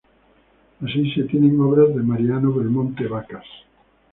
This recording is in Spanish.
Así, se tienen obras de Mariano Belmonte Vacas.